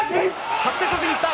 張って差しにいった。